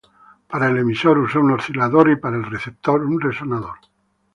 Para el emisor, usó un oscilador, y para el receptor, un resonador.